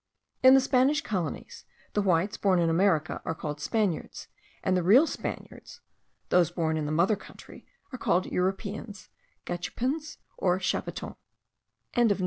In the Spanish colonies, the whites born in America are called Spaniards; and the real Spaniards, those born in the mother country, are called Europeans, Gachupins, or Chapetons.)